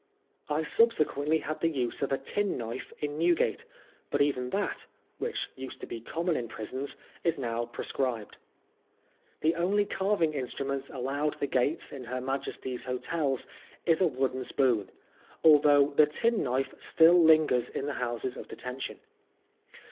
I subsequently had the use of a tin knife in Newgate, but even that, which used to be common in prisons, is now proscribed. The only carving instruments allowed the guests in her Majesty's hotels is a wooden spoon, although the tin knife still lingers in the Houses of Detention.